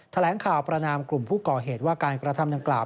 แถลงข่าวประนามกลุ่มผู้ก่อเหตุว่าการกระทำดังกล่าว